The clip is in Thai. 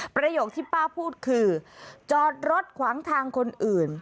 ประโยคที่ป้าพูดคือจอดรถขวางทางคนอื่น